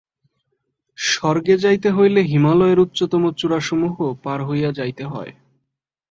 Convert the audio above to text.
স্বর্গে যাইতে হইলে হিমালয়ের উচ্চতম চূড়াসমূহ পার হইয়া যাইতে হয়।